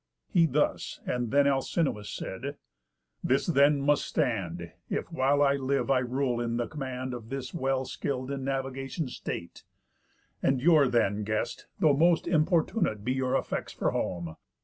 He thus; And then Alcinous said: "This then must stand, If while I live I rule in the command Of this well skill'd in navigation state: Endure then, guest, though most importunate Be your affects for home.